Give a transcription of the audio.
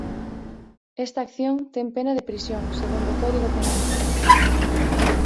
Esta acción ten pena de prisión segundo o código penal.